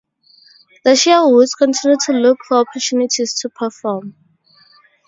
The Sherwoods continue to look for opportunities to perform.